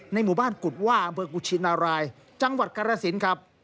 ในมุบันกุฎว่าอำเภอกุชินารายจังหวัดการาศิลป์ครับ